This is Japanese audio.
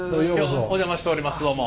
お邪魔しておりますどうも。